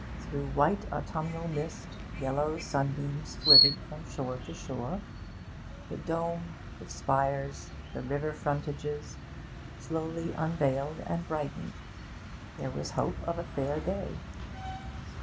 Through white autumnal mist yellow sunbeams flitted from shore to shore. The dome, the spires, the river frontages slowly unveiled and brightened: there was hope of a fair day.